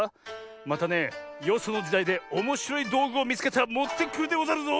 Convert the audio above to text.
またねよそのじだいでおもしろいどうぐをみつけたらもってくるでござるぞ！